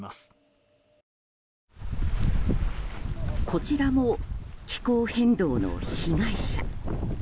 こちらも気候変動の被害者。